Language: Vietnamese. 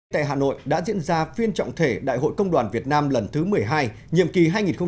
tại hà nội đã diễn ra phiên trọng thể đại hội công đoàn việt nam lần thứ một mươi hai nhiệm kỳ hai nghìn một mươi chín hai nghìn hai mươi bốn